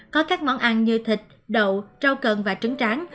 có các món ăn như thịt đậu rau cần và trứng tráng